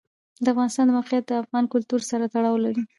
د افغانستان د موقعیت د افغان کلتور سره تړاو لري.